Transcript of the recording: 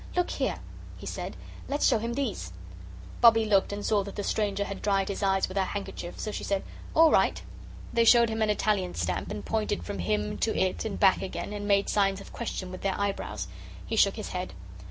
"Look here," he said, "let's show him these " Bobbie looked and saw that the stranger had dried his eyes with her handkerchief. So she said: "All right." They showed him an Italian stamp, and pointed from him to it and back again, and made signs of question with their eyebrows. He shook his head.